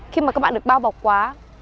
khi mà các bạn được bao bọc quá